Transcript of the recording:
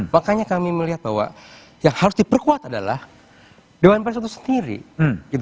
makanya kami melihat bahwa yang harus diperkuat adalah dewan pers itu sendiri